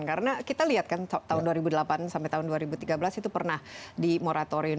karena kita lihat kan tahun dua ribu delapan sampai tahun dua ribu tiga belas itu pernah dimoratorium